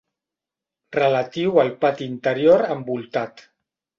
Relatiu al pati interior envoltat.